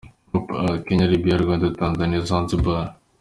Group A: Kenya, Libya, Rwanda, Tanzania, Zanzibar.